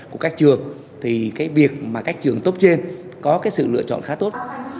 của các trường thì cái việc mà các trường tốt trên có cái sự lựa chọn khá tốt